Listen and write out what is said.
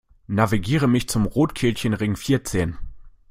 Navigiere mich zum Rotkelchenring vierzehn!